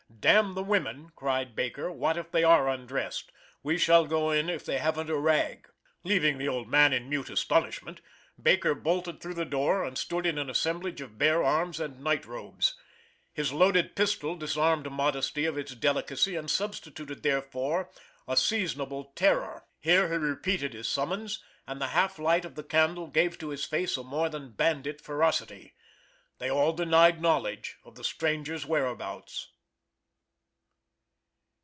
"Damn the women," cried Baker; "what if they are undressed? We shall go in if they haven't a rag." Leaving the old man in mute astonishment, Baker bolted through the door, and stood in an assemblage of bare arms and night robes. His loaded pistol disarmed modesty of its delicacy and substituted therefor a seasonable terror. Here he repeated his summons, and the half light of the candle gave to his face a more than bandit ferocity. They all denied knowledge of the strangers' whereabouts.